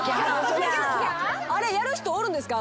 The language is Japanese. あれやる人おるんですか？